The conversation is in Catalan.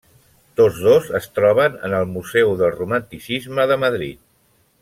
Tots dos es troben en el Museu del Romanticisme de Madrid.